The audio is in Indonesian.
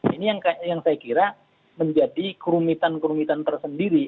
ini yang saya kira menjadi kerumitan kerumitan tersendiri